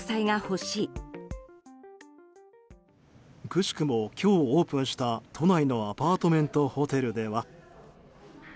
くしくも今日オープンした都内のアパートメントホテルでは。